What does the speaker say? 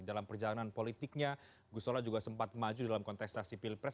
dalam perjalanan politiknya gusola juga sempat maju dalam kontestasi pilpres